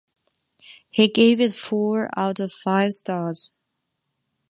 He gave it four out of five stars.